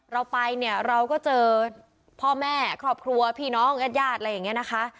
เราไปเนี่ยเราก็เจอพ่อแม่ครอบครัวพี่น้องญาติญาติอะไรอย่างนี้นะคะ